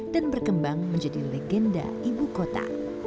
dan berkembang menjadi legenda ibu kota